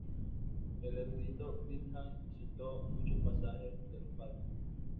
El erudito Bingham citó muchos pasajes de los Padres.